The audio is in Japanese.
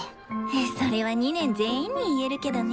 それは２年全員に言えるけどね。